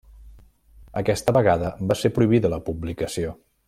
Aquesta vegada va ser prohibida la publicació.